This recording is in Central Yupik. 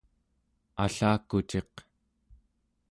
allakuciq